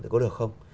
có được không